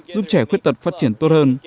giúp trẻ khuyết tật phát triển tốt hơn